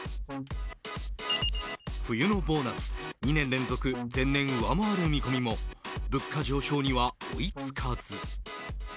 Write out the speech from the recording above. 冬のボーナス、２年連続前年上回る見込みも物価上昇には追い付かず。